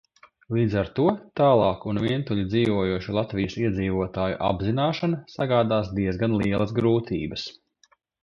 Līdz ar to tālāk un vientuļi dzīvojošu Latvijas iedzīvotāju apzināšana sagādās diezgan lielas grūtības.